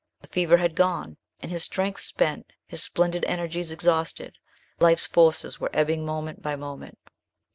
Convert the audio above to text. The fever had gone and, his strength spent, his splendid energies exhausted, life's forces were ebbing moment by moment.